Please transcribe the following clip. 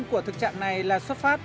của thực trạng này là xuất phát